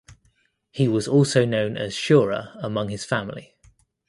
He was also known as Shura among his family.